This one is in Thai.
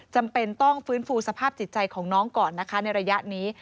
จำเป็นต้องฟื้นฟูสภาพจิตใจของน้องก่อนนะคะในระยะนี้